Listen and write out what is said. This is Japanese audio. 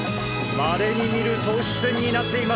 まれにみる投手戦になっています